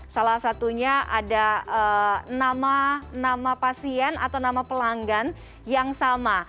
salah satunya ada nama pasien atau nama pelanggan yang sama